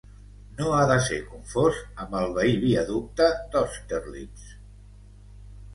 No ha de ser confós amb el veí viaducte d'Austerlitz.